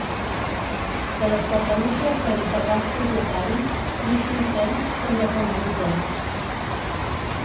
De les quatre mil tres-cents de grans propietaris, mil cinc-cents són de fons voltor.